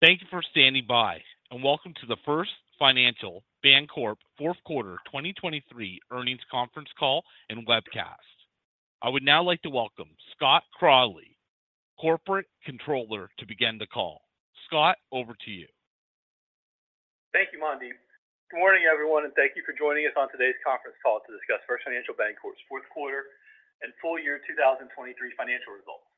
Thank you for standing by and welcome to the First Financial Bancorp Fourth Quarter 2023 Earnings Conference Call and Webcast. I would now like to welcome Scott Crawley, Corporate Controller, to begin the call. Scott, over to you. Thank you, Mandy. Good morning, everyone, and thank you for joining us on today's conference call to discuss First Financial Bancorp's Fourth Quarter and Full Year 2023 financial results.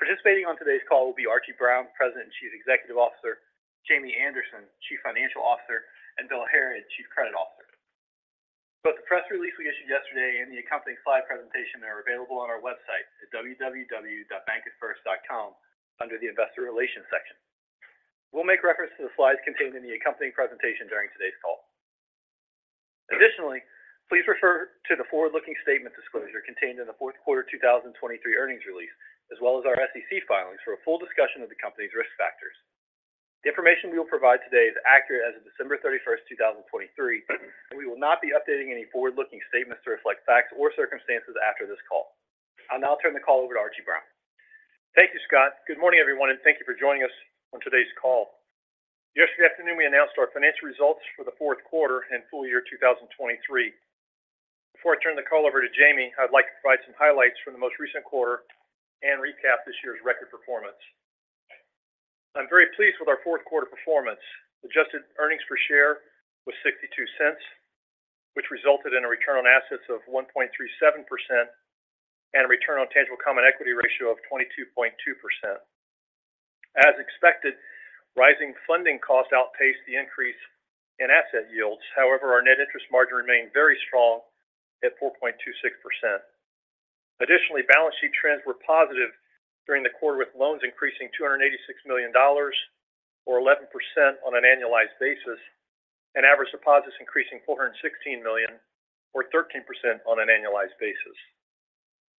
Participating on today's call will be Archie Brown, President and Chief Executive Officer, Jamie Anderson, Chief Financial Officer, and Bill Harrod, Chief Credit Officer. Both the press release we issued yesterday and the accompanying slide presentation are available on our website at www.bankatfirst.com under the Investor Relations section. We'll make reference to the slides contained in the accompanying presentation during today's call. Additionally, please refer to the forward-looking statement disclosure contained in the Fourth Quarter 2023 Earnings Release, as well as our SEC filings for a full discussion of the company's risk factors. The information we will provide today is accurate as of December 31st, 2023, and we will not be updating any forward-looking statements to reflect facts or circumstances after this call. I'll now turn the call over to Archie Brown. Thank you, Scott. Good morning, everyone, and thank you for joining us on today's call. Yesterday afternoon, we announced our financial results for the Fourth Quarter and Full Year 2023. Before I turn the call over to Jamie, I'd like to provide some highlights from the most recent quarter and recap this year's record performance. I'm very pleased with our Fourth Quarter performance. Adjusted earnings per share was $0.62, which resulted in a return on assets of 1.37% and a return on tangible common equity ratio of 22.2%. As expected, rising funding costs outpaced the increase in asset yields. However, our net interest margin remained very strong at 4.26%. Additionally, balance sheet trends were positive during the quarter, with loans increasing $286 million or 11% on an annualized basis and average deposits increasing $416 million or 13% on an annualized basis.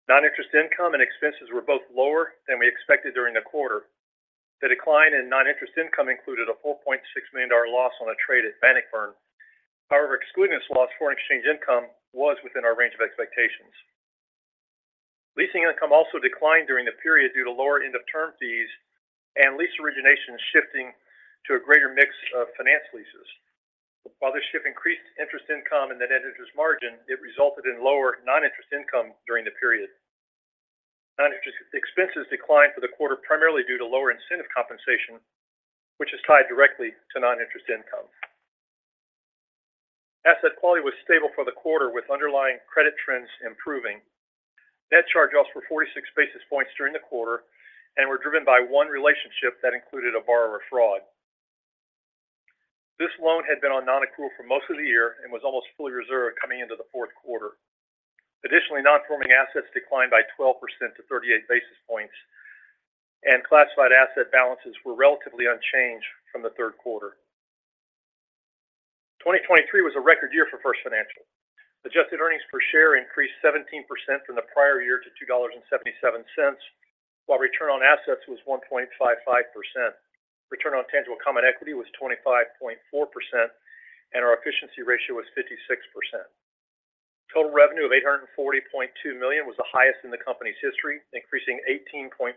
Non-interest income and expenses were both lower than we expected during the quarter. The decline in non-interest income included a $4.6 million loss on a trade at Bannockburn. However, excluding this loss, foreign exchange income was within our range of expectations. Leasing income also declined during the period due to lower end-of-term fees and lease origination shifting to a greater mix of finance leases. While this shift increased interest income and the net interest margin, it resulted in lower non-interest income during the period. Non-interest expenses declined for the quarter primarily due to lower incentive compensation, which is tied directly to non-interest income. Asset quality was stable for the quarter, with underlying credit trends improving. Net charge-offs were 46 basis points during the quarter and were driven by one relationship that included a borrower fraud. This loan had been on non-accrual for most of the year and was almost fully reserved coming into the Fourth Quarter. Additionally, non-performing assets declined by 12% to 38 basis points, and classified asset balances were relatively unchanged from the Third Quarter. 2023 was a record year for First Financial. Adjusted earnings per share increased 17% from the prior year to $2.77, while return on assets was 1.55%. Return on tangible common equity was 25.4%, and our efficiency ratio was 56%. Total revenue of $840.2 million was the highest in the company's history, increasing 18.5%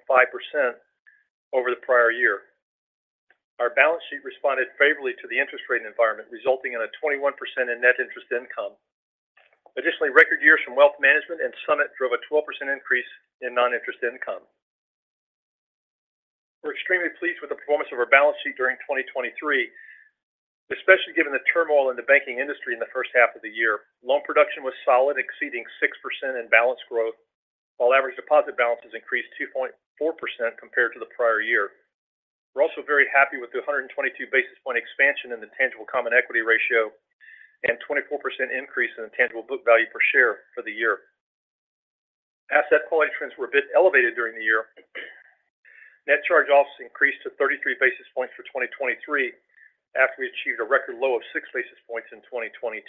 over the prior year. Our balance sheet responded favorably to the interest rate environment, resulting in a 21% in net interest income. Additionally, record years from wealth management and Summit drove a 12% increase in non-interest income. We're extremely pleased with the performance of our balance sheet during 2023, especially given the turmoil in the banking industry in the first half of the year. Loan production was solid, exceeding 6% in balance growth, while average deposit balances increased 2.4% compared to the prior year. We're also very happy with the 122 basis points expansion in the tangible common equity ratio and 24% increase in the tangible book value per share for the year. Asset quality trends were a bit elevated during the year. Net charge-offs increased to 33 basis points for 2023 after we achieved a record low of six basis points in 2022.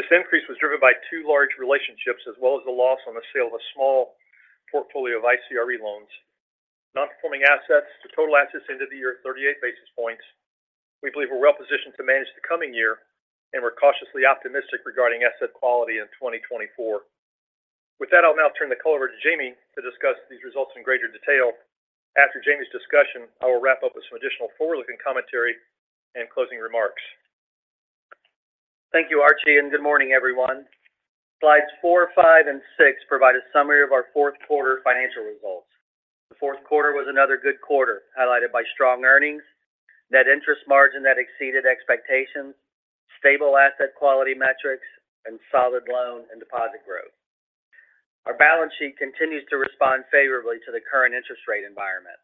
This increase was driven by two large relationships, as well as the loss on the sale of a small portfolio of ICRE loans. Non-performing assets to total assets end of the year 38 basis points. We believe we're well positioned to manage the coming year and were cautiously optimistic regarding asset quality in 2024. With that, I'll now turn the call over to Jamie to discuss these results in greater detail. After Jamie's discussion, I will wrap up with some additional forward-looking commentary and closing remarks. Thank you, Archie, and good morning, everyone. Slides four, five, and six provide a summary of our Fourth Quarter financial results. The Fourth Quarter was another good quarter, highlighted by strong earnings, net interest margin that exceeded expectations, stable asset quality metrics, and solid loan and deposit growth. Our balance sheet continues to respond favorably to the current interest rate environment.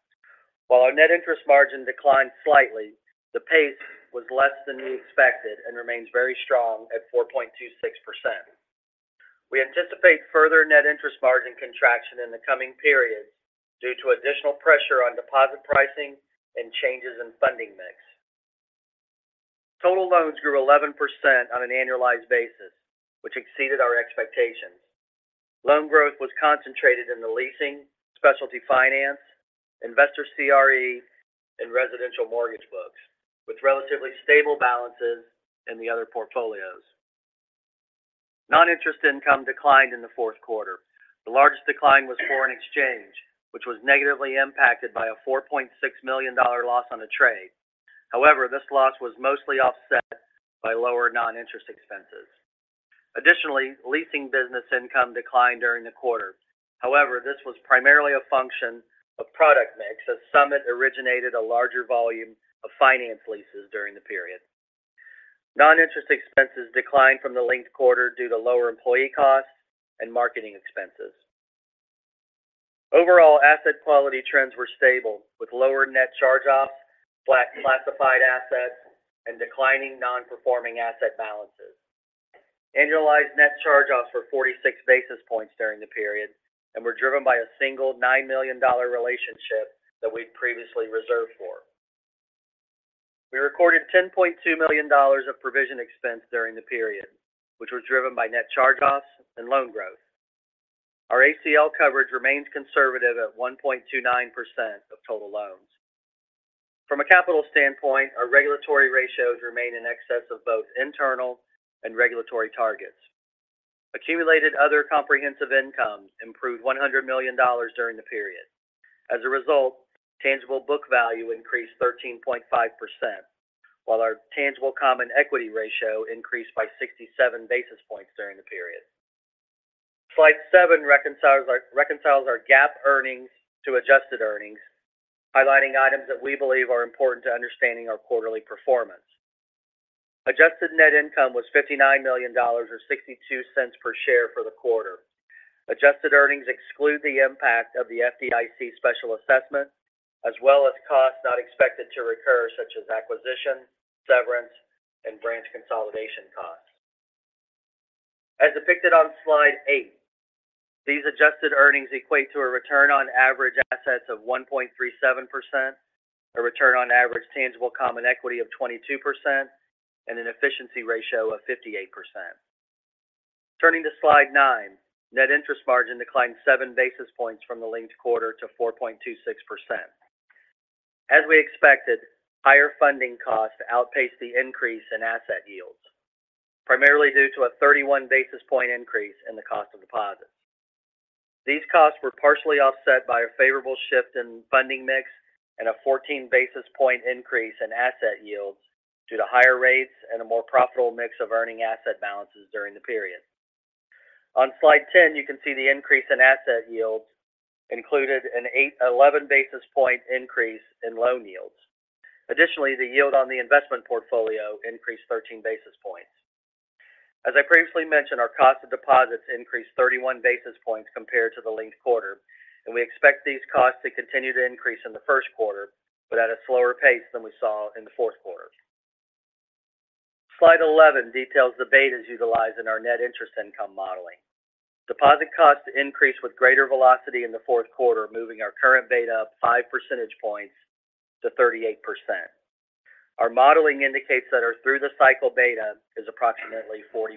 While our net interest margin declined slightly, the pace was less than we expected and remains very strong at 4.26%. We anticipate further net interest margin contraction in the coming periods due to additional pressure on deposit pricing and changes in funding mix. Total loans grew 11% on an annualized basis, which exceeded our expectations. Loan growth was concentrated in the leasing, specialty finance, investor CRE, and residential mortgage books, with relatively stable balances in the other portfolios. Non-interest income declined in the Fourth Quarter. The largest decline was foreign exchange, which was negatively impacted by a $4.6 million loss on a trade. However, this loss was mostly offset by lower non-interest expenses. Additionally, leasing business income declined during the quarter. However, this was primarily a function of product mix, as Summit originated a larger volume of finance leases during the period. Non-interest expenses declined from the linked quarter due to lower employee costs and marketing expenses. Overall, asset quality trends were stable, with lower net charge-offs, flat classified assets, and declining non-performing asset balances. Annualized net charge-offs were 46 basis points during the period and were driven by a single $9 million relationship that we'd previously reserved for. We recorded $10.2 million of provision expense during the period, which was driven by net charge-offs and loan growth. Our ACL coverage remains conservative at 1.29% of total loans. From a capital standpoint, our regulatory ratios remain in excess of both internal and regulatory targets. Accumulated other comprehensive income improved $100 million during the period. As a result, tangible book value increased 13.5%, while our tangible common equity ratio increased by 67 basis points during the period. Slide seven reconciles our GAAP earnings to adjusted earnings, highlighting items that we believe are important to understanding our quarterly performance. Adjusted net income was $59 million or $0.62 per share for the quarter. Adjusted earnings exclude the impact of the FDIC special assessment, as well as costs not expected to recur such as acquisition, severance, and branch consolidation costs. As depicted on slide eight, these adjusted earnings equate to a return on average assets of 1.37%, a return on average tangible common equity of 22%, and an efficiency ratio of 58%. Turning to slide nine, net interest margin declined seven basis points from the linked quarter to 4.26%. As we expected, higher funding costs outpaced the increase in asset yields, primarily due to a 31 basis point increase in the cost of deposits. These costs were partially offset by a favorable shift in funding mix and a 14 basis point increase in asset yields due to higher rates and a more profitable mix of earning asset balances during the period. On slide 10, you can see the increase in asset yields included an 11 basis point increase in loan yields. Additionally, the yield on the investment portfolio increased 13 basis points. As I previously mentioned, our cost of deposits increased 31 basis points compared to the linked quarter, and we expect these costs to continue to increase in the First Quarter, but at a slower pace than we saw in the Fourth Quarter. Slide 11 details the betas utilized in our net interest income modeling. Deposit costs increased with greater velocity in the Fourth Quarter, moving our current beta up five percentage points to 38%. Our modeling indicates that our through-the-cycle beta is approximately 40%.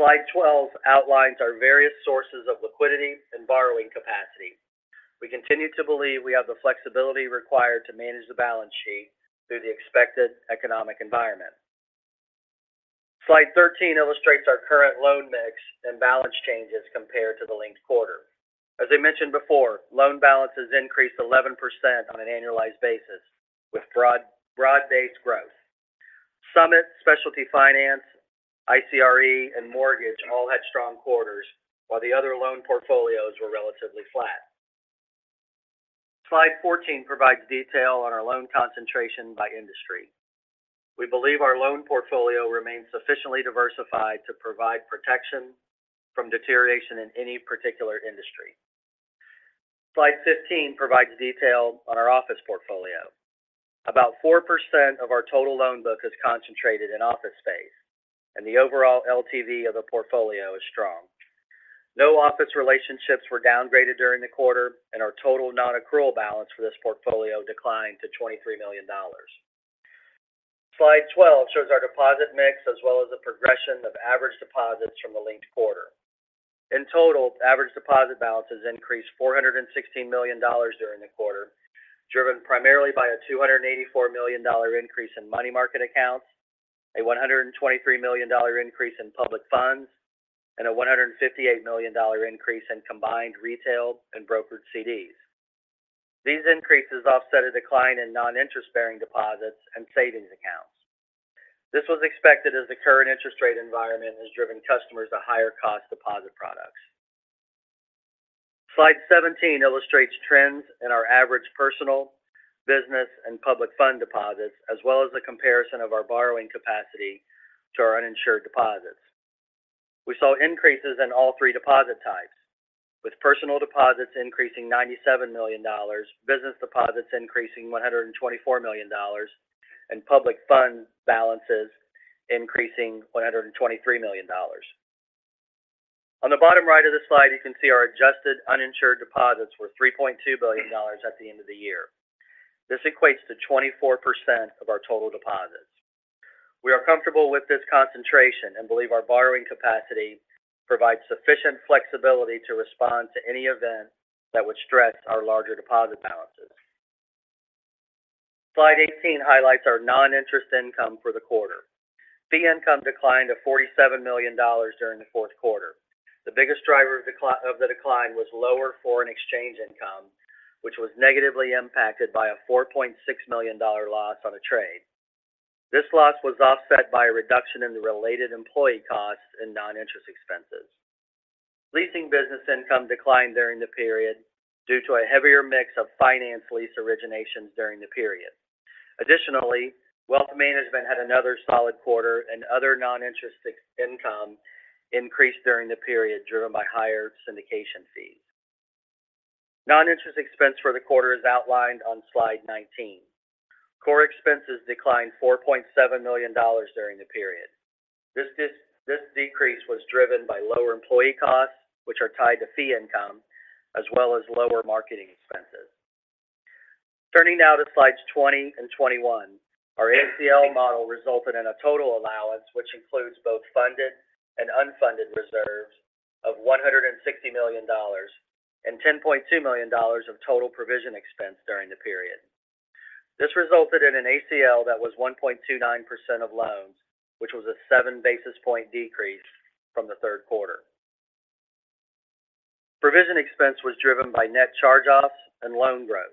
Slide 12 outlines our various sources of liquidity and borrowing capacity. We continue to believe we have the flexibility required to manage the balance sheet through the expected economic environment. Slide 13 illustrates our current loan mix and balance changes compared to the linked quarter. As I mentioned before, loan balances increased 11% on an annualized basis, with broad-based growth. Summit, specialty finance, ICRE, and mortgage all had strong quarters, while the other loan portfolios were relatively flat. Slide 14 provides detail on our loan concentration by industry. We believe our loan portfolio remains sufficiently diversified to provide protection from deterioration in any particular industry. Slide 15 provides detail on our office portfolio. About 4% of our total loan book is concentrated in office space, and the overall LTV of the portfolio is strong. No office relationships were downgraded during the quarter, and our total non-accrual balance for this portfolio declined to $23 million. Slide 12 shows our deposit mix as well as a progression of average deposits from the linked quarter. In total, average deposit balances increased $416 million during the quarter, driven primarily by a $284 million increase in money market accounts, a $123 million increase in public funds, and a $158 million increase in combined retail and brokered CDs. These increases offset a decline in non-interest bearing deposits and savings accounts. This was expected as the current interest rate environment has driven customers to higher cost deposit products. Slide 17 illustrates trends in our average personal, business, and public fund deposits, as well as a comparison of our borrowing capacity to our uninsured deposits. We saw increases in all three deposit types, with personal deposits increasing $97 million, business deposits increasing $124 million, and public fund balances increasing $123 million. On the bottom right of the slide, you can see our adjusted uninsured deposits were $3.2 billion at the end of the year. This equates to 24% of our total deposits. We are comfortable with this concentration and believe our borrowing capacity provides sufficient flexibility to respond to any event that would stress our larger deposit balances. Slide 18 highlights our non-interest income for the quarter. Fee income declined to $47 million during the Fourth Quarter. The biggest driver of the decline was lower foreign exchange income, which was negatively impacted by a $4.6 million loss on a trade. This loss was offset by a reduction in the related employee costs and non-interest expenses. Leasing business income declined during the period due to a heavier mix of finance lease originations during the period. Additionally, wealth management had another solid quarter, and other non-interest income increased during the period driven by higher syndication fees. Non-interest expense for the quarter is outlined on slide 19. Core expenses declined $4.7 million during the period. This decrease was driven by lower employee costs, which are tied to fee income, as well as lower marketing expenses. Turning now to slides 20 and 21, our ACL model resulted in a total allowance, which includes both funded and unfunded reserves of $160 million and $10.2 million of total provision expense during the period. This resulted in an ACL that was 1.29% of loans, which was a seven basis points decrease from the third quarter. Provision expense was driven by net charge-offs and loan growth.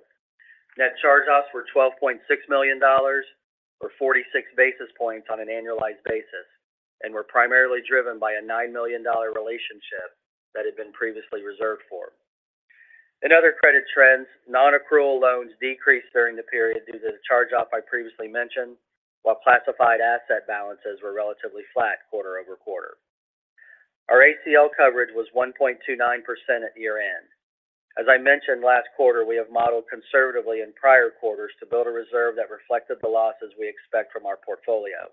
Net charge-offs were $12.6 million or 46 basis points on an annualized basis and were primarily driven by a $9 million relationship that had been previously reserved for. In other credit trends, non-accrual loans decreased during the period due to the charge-off I previously mentioned, while classified asset balances were relatively flat QoQ. Our ACL coverage was 1.29% at year-end. As I mentioned, last quarter we have modeled conservatively in prior quarters to build a reserve that reflected the losses we expect from our portfolio.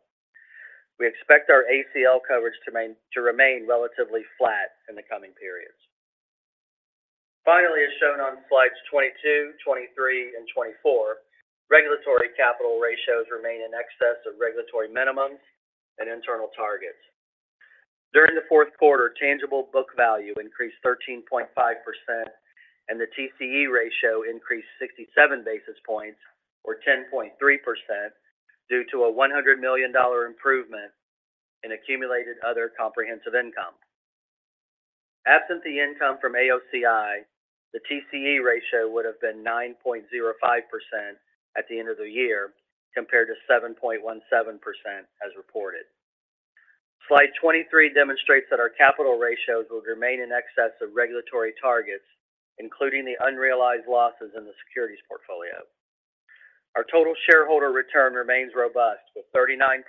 We expect our ACL coverage to remain relatively flat in the coming periods. Finally, as shown on slides 22, 23, and 24, regulatory capital ratios remain in excess of regulatory minimums and internal targets. During the Fourth Quarter, tangible book value increased 13.5%, and the TCE ratio increased 67 basis points or 10.3% due to a $100 million improvement in accumulated other comprehensive income. Absent the income from AOCI, the TCE ratio would have been 9.05% at the end of the year compared to 7.17% as reported. Slide 23 demonstrates that our capital ratios would remain in excess of regulatory targets, including the unrealized losses in the securities portfolio. Our total shareholder return remains robust, with 39%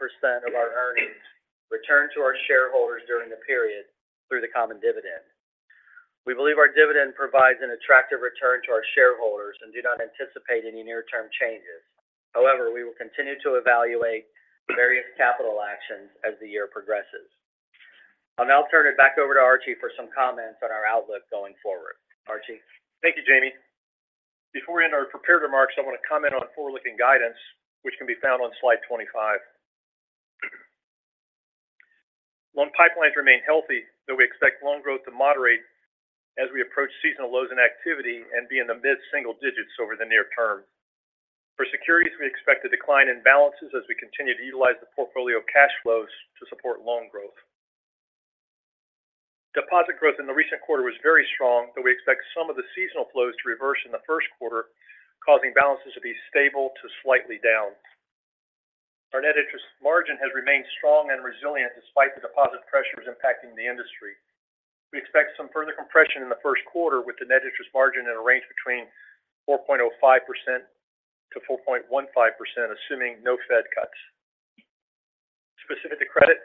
of our earnings returned to our shareholders during the period through the common dividend. We believe our dividend provides an attractive return to our shareholders and do not anticipate any near-term changes. However, we will continue to evaluate various capital actions as the year progresses. I'll now turn it back over to Archie for some comments on our outlook going forward. Archie? Thank you, Jamie. Before we end our prepared remarks, I want to comment on forward-looking guidance, which can be found on slide 25. Loan pipelines remain healthy, though we expect loan growth to moderate as we approach seasonal lows in activity and be in the mid-single digits over the near term. For securities, we expect a decline in balances as we continue to utilize the portfolio cash flows to support loan growth. Deposit growth in the recent quarter was very strong, though we expect some of the seasonal flows to reverse in the First Quarter, causing balances to be stable to slightly down. Our net interest margin has remained strong and resilient despite the deposit pressures impacting the industry. We expect some further compression in the First Quarter, with the net interest margin in a range between 4.05%-4.15%, assuming no Fed cuts. Specific to credit,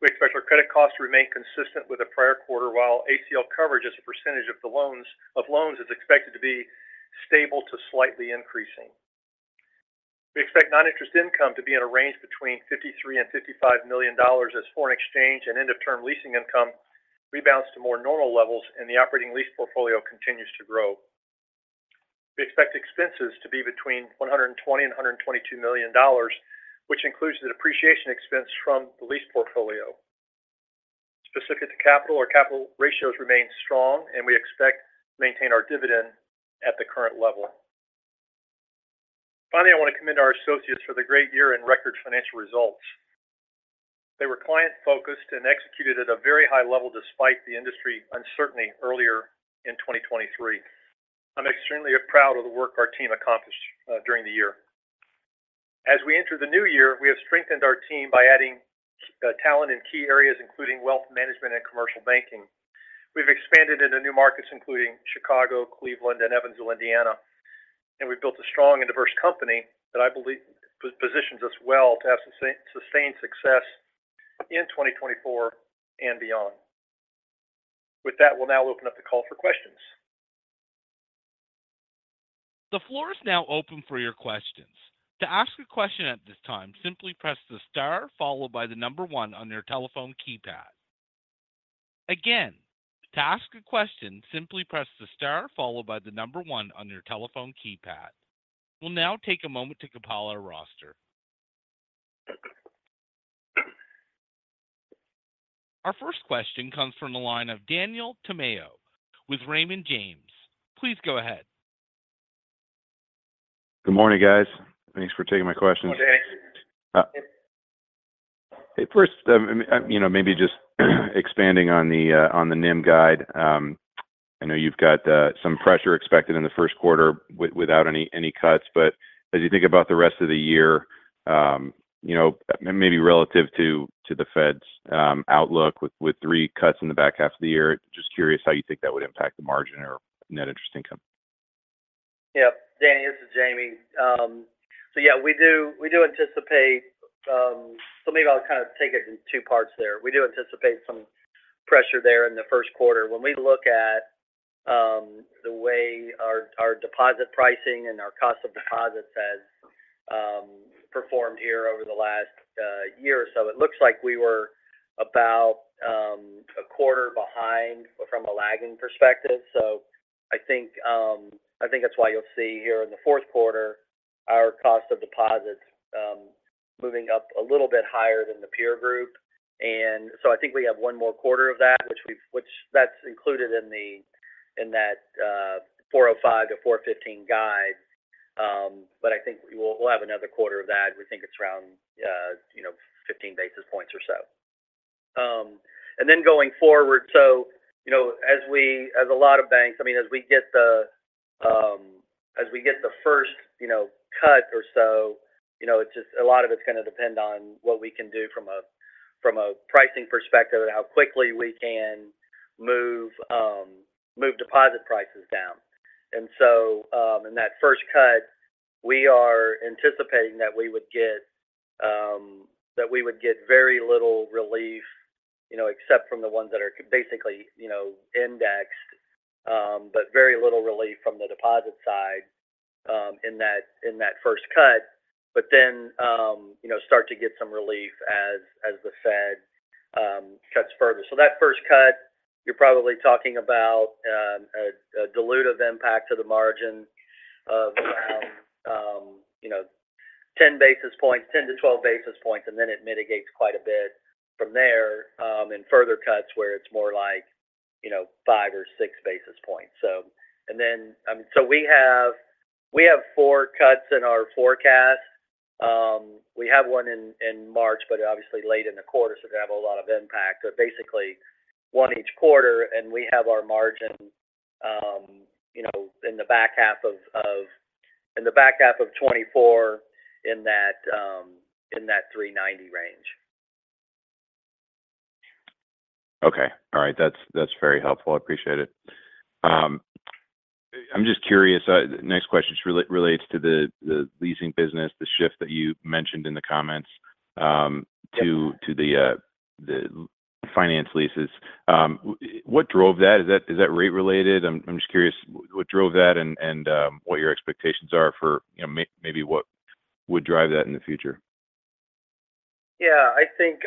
we expect our credit costs to remain consistent with the prior quarter, while ACL coverage as a percentage of loans is expected to be stable to slightly increasing. We expect non-interest income to be in a range between $53 million-$55 million as foreign exchange and end-of-term leasing income rebounds to more normal levels and the operating lease portfolio continues to grow. We expect expenses to be between $120 million-$122 million, which includes the depreciation expense from the lease portfolio. Specific to capital, our capital ratios remain strong, and we expect to maintain our dividend at the current level. Finally, I want to commend our associates for the great year and record financial results. They were client-focused and executed at a very high level despite the industry uncertainty earlier in 2023. I'm extremely proud of the work our team accomplished during the year. As we enter the new year, we have strengthened our team by adding talent in key areas including wealth management and commercial banking. We've expanded into new markets including Chicago, Cleveland, and Evansville, Indiana. We've built a strong and diverse company that I believe positions us well to have sustained success in 2024 and beyond. With that, we'll now open up the call for questions. The floor is now open for your questions. To ask a question at this time, simply press the star followed by the number one on your telephone keypad. Again, to ask a question, simply press the star followed by the number one on your telephone keypad. We'll now take a moment to compile our roster. Our first question comes from the line of Daniel Tamayo with Raymond James. Please go ahead. Good morning, guys. Thanks for taking my questions. Hey, Danny. Hey, first, maybe just expanding on the NIM guide. I know you've got some pressure expected in the first quarter without any cuts, but as you think about the rest of the year, maybe relative to the Fed's outlook with three cuts in the back half of the year, just curious how you think that would impact the margin or net interest income. Yep. Danny, this is Jamie. So yeah, we do anticipate so maybe I'll kind of take it in two parts there. We do anticipate some pressure there in the first quarter. When we look at the way our deposit pricing and our cost of deposits has performed here over the last year or so, it looks like we were about a quarter behind from a lagging perspective. So I think that's why you'll see here in the fourth quarter our cost of deposits moving up a little bit higher than the peer group. And so I think we have one more quarter of that, which that's included in that 405-415 guide. But I think we'll have another quarter of that. We think it's around 15 basis points or so. Then going forward, so as a lot of banks, I mean, as we get the first cut or so, a lot of it's going to depend on what we can do from a pricing perspective and how quickly we can move deposit prices down. And so in that first cut, we are anticipating that we would get very little relief except from the ones that are basically indexed, but very little relief from the deposit side in that first cut, but then start to get some relief as the Fed cuts further. So that first cut, you're probably talking about a dilutive impact to the margin of around 10 basis points, 10-12 basis points, and then it mitigates quite a bit from there in further cuts where it's more like 5 or 6 basis points. And then so we have 4 cuts in our forecast. We have one in March, but obviously late in the quarter, so it's going to have a lot of impact. So basically, one each quarter, and we have our margin in the back half of 2024 in that 390 range. Okay. All right. That's very helpful. I appreciate it. I'm just curious. Next question relates to the leasing business, the shift that you mentioned in the comments to the finance leases. What drove that? Is that rate-related? I'm just curious. What drove that and what your expectations are for maybe what would drive that in the future? Yeah. I think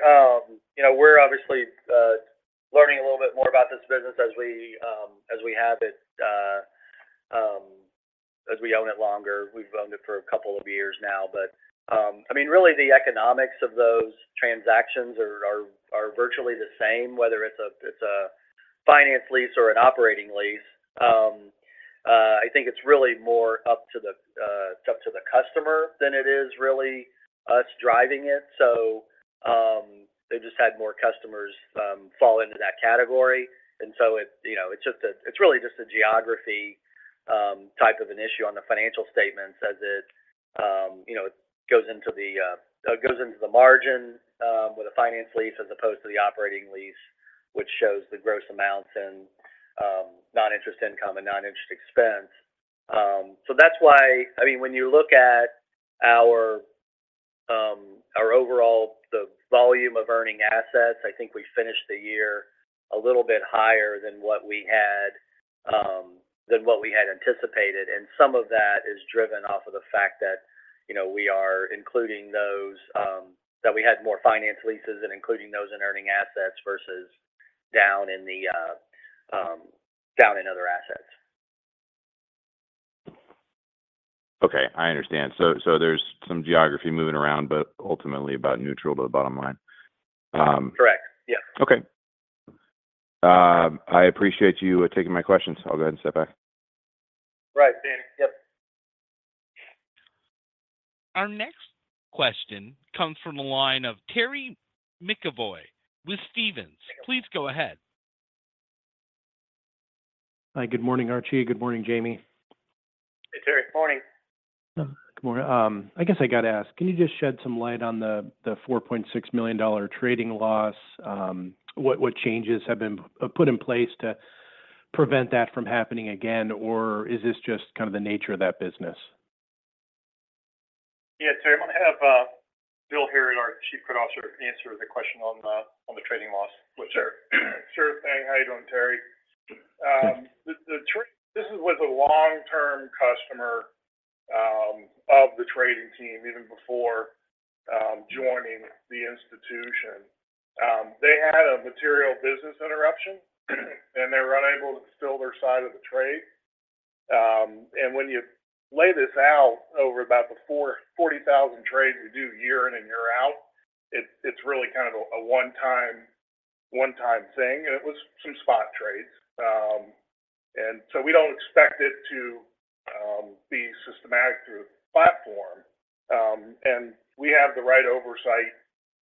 we're obviously learning a little bit more about this business as we have it as we own it longer. We've owned it for a couple of years now. But I mean, really, the economics of those transactions are virtually the same, whether it's a finance lease or an operating lease. I think it's really more up to the customer than it is really us driving it. So they've just had more customers fall into that category. And so it's really just a geography type of an issue on the financial statements as it goes into the margin with a finance lease as opposed to the operating lease, which shows the gross amounts in non-interest income and non-interest expense. So that's why I mean, when you look at our overall volume of earning assets, I think we finished the year a little bit higher than what we had anticipated. And some of that is driven off of the fact that we are including those that we had more finance leases and including those in earning assets versus down in the other assets. Okay. I understand. So there's some geography moving around, but ultimately about neutral to the bottom line. Correct. Yep. Okay. I appreciate you taking my questions. I'll go ahead and step back. Right, Danny. Yep. Our next question comes from the line of Terry McEvoy with Stephens. Please go ahead. Hi. Good morning, Archie. Good morning, Jamie. Hey, Terry. Morning. Good morning. I guess I got to ask. Can you just shed some light on the $4.6 million trading loss? What changes have been put in place to prevent that from happening again, or is this just kind of the nature of that business? Yeah, Terry. I'm going to have Bill Harrod, our Chief Credit Officer, answer the question on the trading loss, which. Sure. Sure thing. How are you doing, Terry? This was a long-term customer of the trading team even before joining the institution. They had a material business interruption, and they were unable to fulfill their side of the trade. When you lay this out over about the 40,000 trades we do year in and year out, it's really kind of a one-time thing. It was some spot trades. So we don't expect it to be systematic through the platform. We have the right oversight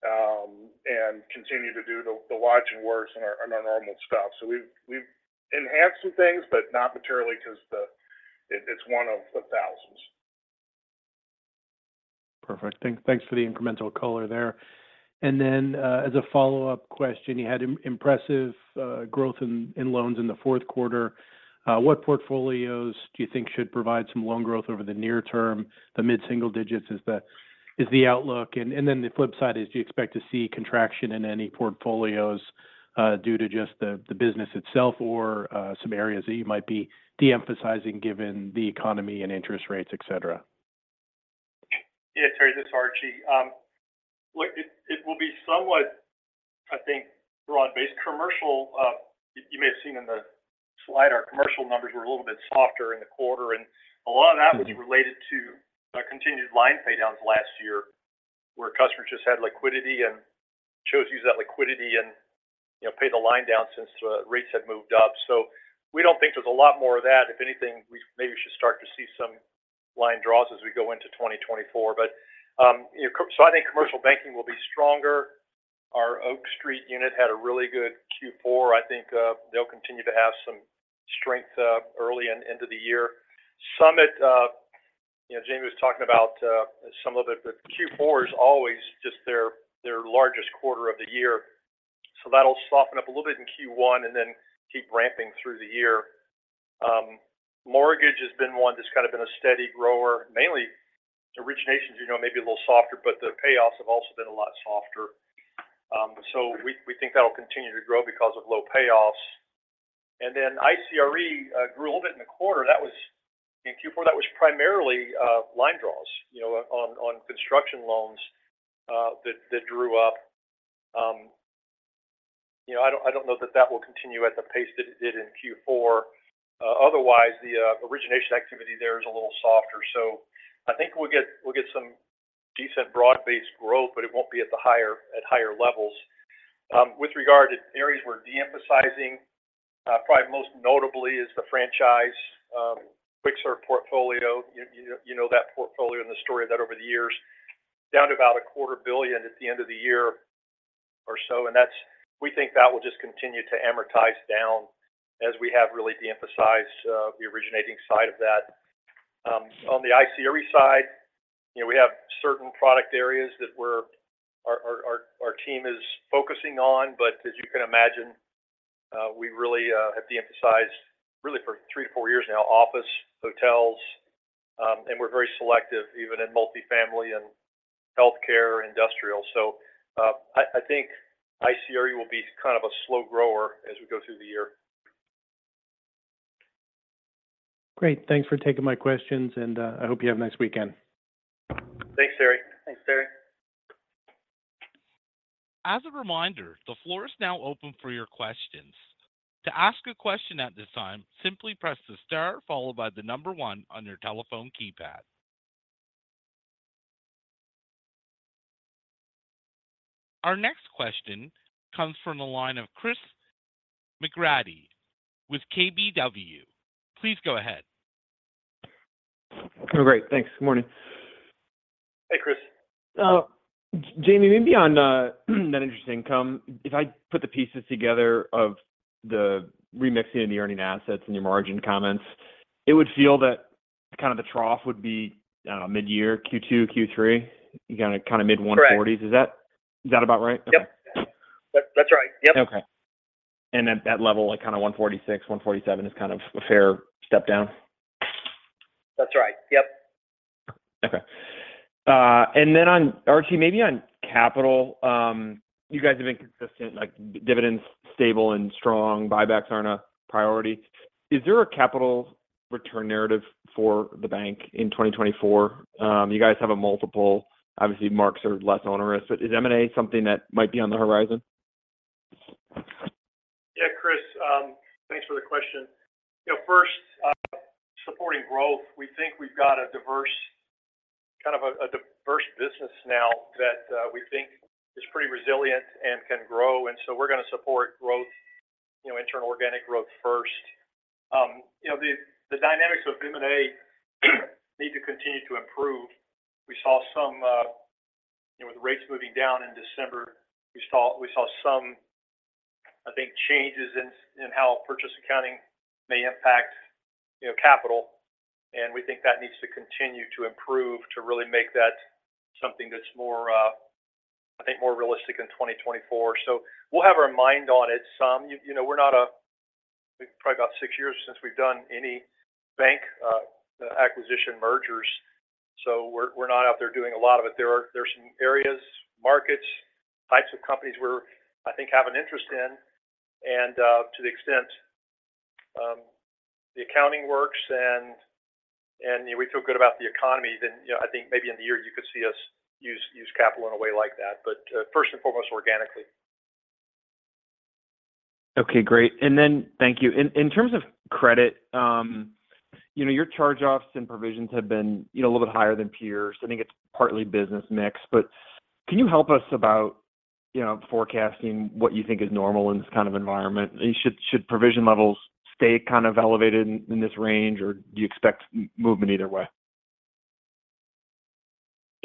and continue to do the watch and worse and our normal stuff. We've enhanced some things, but not materially because it's one of the thousands. Perfect. Thanks for the incremental color there. And then as a follow-up question, you had impressive growth in loans in the Fourth Quarter. What portfolios do you think should provide some loan growth over the near term, the mid-single digits is the outlook? And then the flip side is, do you expect to see contraction in any portfolios due to just the business itself or some areas that you might be de-emphasizing given the economy and interest rates, etc.? Yeah, Terry. This is Archie. It will be somewhat, I think, broad-based. Commercial, you may have seen in the slide, our commercial numbers were a little bit softer in the quarter. A lot of that was related to continued line paydowns last year where customers just had liquidity and chose to use that liquidity and pay the line down since the rates had moved up. So we don't think there's a lot more of that. If anything, maybe we should start to see some line draws as we go into 2024. So I think commercial banking will be stronger. Our Oak Street unit had a really good Q4. I think they'll continue to have some strength early and into the year. Summit, Jamie was talking about some of it, but Q4 is always just their largest quarter of the year. So that'll soften up a little bit in Q1 and then keep ramping through the year. Mortgage has been one that's kind of been a steady grower, mainly originations, maybe a little softer, but the payoffs have also been a lot softer. So we think that'll continue to grow because of low payoffs. And then ICRE grew a little bit in the quarter. In Q4, that was primarily line draws on construction loans that drew up. I don't know that that will continue at the pace that it did in Q4. Otherwise, the origination activity there is a little softer. So I think we'll get some decent broad-based growth, but it won't be at higher levels. With regard to areas we're de-emphasizing, probably most notably is the franchise quick serve portfolio. You know that portfolio and the story of that over the years. Down to about $250 million at the end of the year or so. We think that will just continue to amortize down as we have really de-emphasized the originating side of that. On the ICRE side, we have certain product areas that our team is focusing on, but as you can imagine, we really have de-emphasized really for three-four years now, office, hotels. We're very selective even in multifamily and healthcare industrial. I think ICRE will be kind of a slow grower as we go through the year. Great. Thanks for taking my questions, and I hope you have a nice weekend. Thanks, Terry. Thanks, Terry. As a reminder, the floor is now open for your questions. To ask a question at this time, simply press the star followed by the number one on your telephone keypad. Our next question comes from the line of Chris McGratty with KBW. Please go ahead. Oh, great. Thanks. Good morning. Hey, Chris. Jamie, maybe on net interest income, if I put the pieces together of the remixing of the earning assets and your margin comments, it would feel that kind of the trough would be, I don't know, mid-year, Q2, Q3, kind of mid-140s. Is that about right? Correct. Yep. That's right. Yep. Okay. And at that level, kind of 146-147 is kind of a fair step down? That's right. Yep. Okay. And then Archie, maybe on capital, you guys have been consistent. Dividends stable and strong, buybacks aren't a priority. Is there a capital return narrative for the bank in 2024? You guys have a multiple. Obviously, Marks are less onerous, but is M&A something that might be on the horizon? Yeah, Chris. Thanks for the question. First, supporting growth. We think we've got a diverse kind of a diverse business now that we think is pretty resilient and can grow. And so we're going to support growth, internal organic growth first. The dynamics of M&A need to continue to improve. We saw some with rates moving down in December, we saw some, I think, changes in how purchase accounting may impact capital. And we think that needs to continue to improve to really make that something that's more, I think, more realistic in 2024. So we'll have our mind on it some. We're not a probably about 6 years since we've done any bank acquisition mergers. So we're not out there doing a lot of it. There are some areas, markets, types of companies we're, I think, have an interest in. And to the extent the accounting works and we feel good about the economy, then I think maybe in the year, you could see us use capital in a way like that. But first and foremost, organically. Okay. Great. And then thank you. In terms of credit, your charge-offs and provisions have been a little bit higher than peers. I think it's partly business mix. But can you help us about forecasting what you think is normal in this kind of environment? Should provision levels stay kind of elevated in this range, or do you expect movement either way?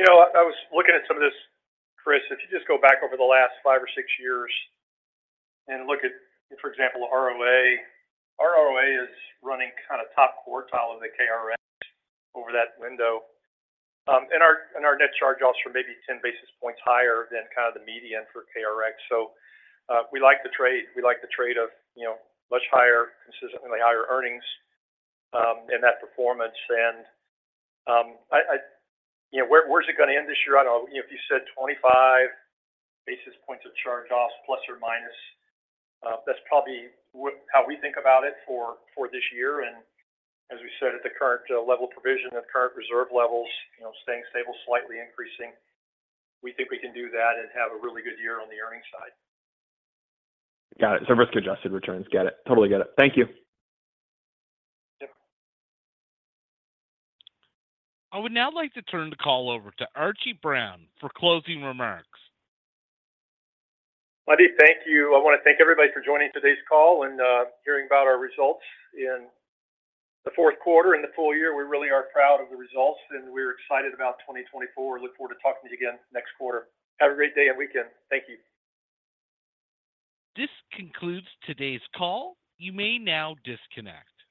I was looking at some of this, Chris. If you just go back over the last five or six years and look at, for example, ROA, our ROA is running kind of top quartile of the KRX over that window. And our net charge-offs are maybe 10 basis points higher than kind of the median for KRX. So we like the trade. We like the trade of much higher, consistently higher earnings and that performance. And where's it going to end this year? I don't know. If you said 25 ± basis points of charge-offs, that's probably how we think about it for this year. And as we said, at the current level of provision and current reserve levels, staying stable, slightly increasing, we think we can do that and have a really good year on the earnings side. Got it. So risk-adjusted returns. Got it. Totally get it. Thank you. Yep. I would now like to turn the call over to Archie Brown for closing remarks. Well, I do thank you. I want to thank everybody for joining today's call and hearing about our results in the fourth quarter and the full year. We really are proud of the results, and we're excited about 2024. Look forward to talking to you again next quarter. Have a great day and weekend. Thank you. This concludes today's call. You may now disconnect.